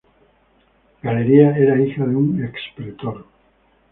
Galeria era hija de un ex-pretor.